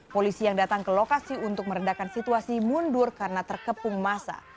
polisi yang datang ke lokasi untuk meredakan situasi mundur karena terkepung masa